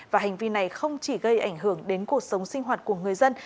và hành vi này không chỉ gây ảnh hưởng đến cuộc sống sinh hoạt của người dân